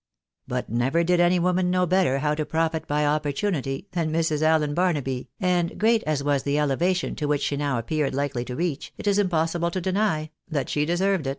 But never did any woman know better how to profit by opportunity than Mrs. Allen Barnaby, and great as was the elevation to which she now appeared likely to reach, it is impossible to deny that she deserved it.